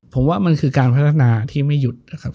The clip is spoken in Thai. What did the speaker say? ผมว่ามันคือการพัฒนาที่ไม่หยุดนะครับ